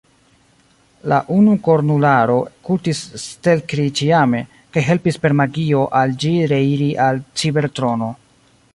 La unukornularo kultis Stelkri ĉiame, kaj helpis per magio al ĝi reiri al Cibertrono.